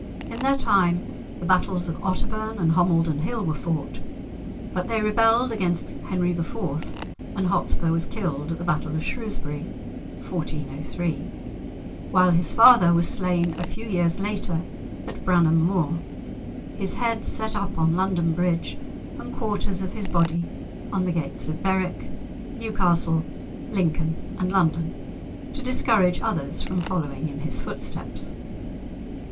In their time, the battles of Otterbourne and Homildon Hill were fought. But they rebelled against Henry IV. and Hotspur was killed at the battle of Shrewsbury (1403), while his father was slain a few years later at Bramham Moor, his head set up on London Bridge, and quarters of his body on the gates of Berwick, Newcastle, Lincoln, and London, to discourage others from following in his footsteps!